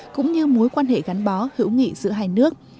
cũng như mối quan hệ gắn bó hữu nghị giữa hai nước